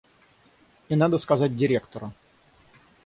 И надо сказать директору.